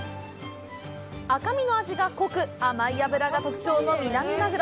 赤身の味が濃く甘い脂が特徴のミナミマグロ。